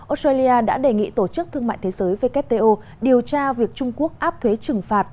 australia đã đề nghị tổ chức thương mại thế giới wto điều tra việc trung quốc áp thuế trừng phạt